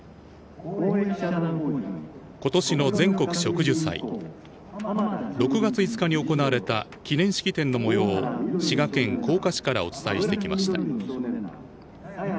今年の全国植樹祭６月５日に行われた記念式典の模様を滋賀県甲賀市からお伝えしてきました。